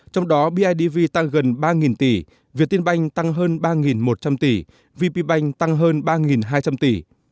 trong đó bidv tăng gần ba tỷ việt tiên banh tăng hơn ba một trăm linh tỷ vp bank tăng hơn ba hai trăm linh tỷ